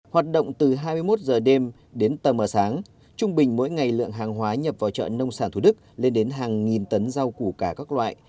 hoạt động từ hai mươi một h đêm đến tầm h sáng trung bình mỗi ngày lượng hàng hóa nhập vào chợ nông sản thủ đức lên đến hàng nghìn tấn rau củ cà các loại